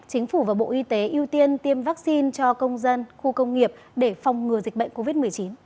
chính phủ và bộ y tế ưu tiên tiêm vaccine cho công dân khu công nghiệp để phòng ngừa dịch bệnh covid một mươi chín